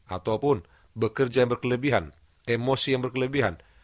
ataupun bekerja yang berkelebihan emosi yang berkelebihan